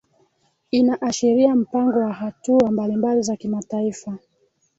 inaashiria mpango wa hatua mbalimbali za kimataifa